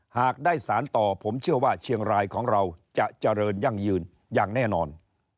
หากได้สารต่อผมเชื่อว่าเชียงรายของเราจะเจริญยั่งยืนอย่างแน่นอน